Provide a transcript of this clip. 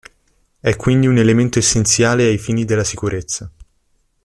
È quindi un elemento essenziale ai fini della sicurezza.